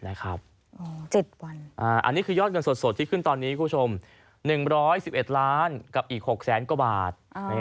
อันนี้คือยอดเงินสดที่ขึ้นตอนนี้คุณผู้ชม๑๑๑ล้านกับอีก๖แสนกว่าบาท